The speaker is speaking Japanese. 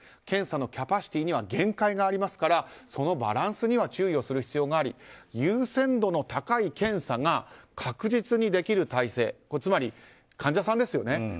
検査のキャパシティーには限界がありますからそのバランスには注意が必要があり優先度の高い検査が確実にできる体制つまり患者さんですよね。